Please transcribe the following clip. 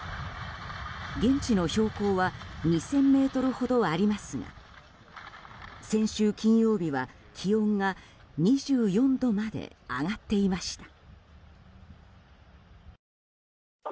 現地の標高は２０００ｍほどありますが先週金曜日は気温が２４度まで上がっていました。